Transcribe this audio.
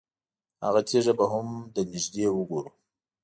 هغه تیږه به هم له نږدې وګورو.